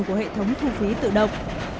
của hệ thống thu phí tự động